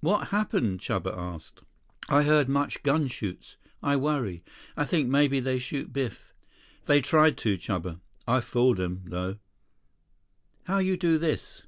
"What happened?" Chuba asked. "I heard much gun shoots. I worry. I think maybe they shoot Biff." "They tried to, Chuba. I fooled 'em, though." "How you do this?"